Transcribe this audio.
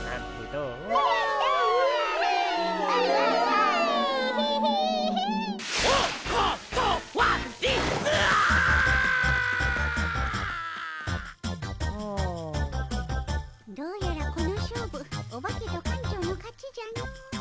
どうやらこの勝負オバケと館長の勝ちじゃの。